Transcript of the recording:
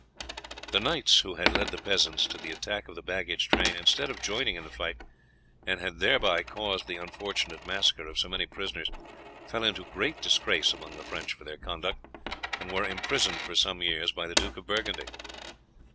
The knights who had led the peasants to the attack of the baggage train, instead of joining in the fight, and had thereby caused the unfortunate massacre of so many prisoners, fell into great disgrace among the French for their conduct, and were imprisoned for some years by the Duke of Burgundy.